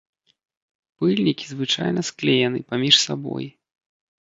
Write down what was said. Пыльнікі звычайна склеены паміж сабой.